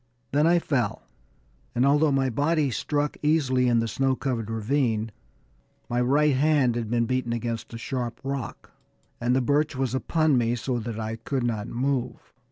Then I fell, and although my body struck easily in the snow covered ravine, my right hand had been beaten against a sharp rock, and the birch was upon me so that I could not move.